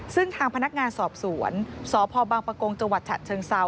ซึ่งทางพนักงานสอบสวนสภบังประกงจฉเชิงเซา